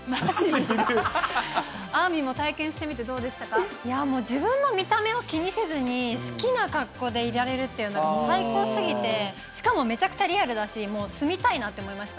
あーみんも体験してみてどうもう自分の見た目を気にせずに、好きな格好でいられるっていうのは最高すぎて、しかもめちゃくちゃリアルだし、もう住みたいなって思いました。